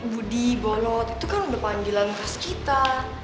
budi bolot itu kan udah panggilan khas kita